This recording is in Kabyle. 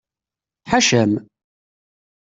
Ḥaca-m!